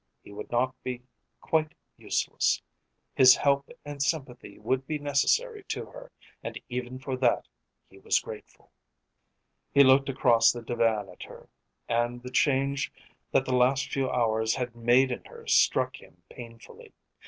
He would not be quite useless. His help and sympathy would be necessary to her, and even for that he was grateful. He looked across the divan at her, and the change that the last few hours had made in her struck him painfully.